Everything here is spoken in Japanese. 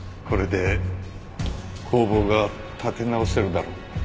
これで工房が立て直せるだろ。